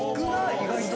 意外と。